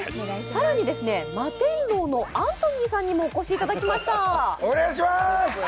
更にマテンロウのアントニーさんにもお越しいただきました。